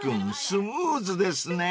スムーズですね］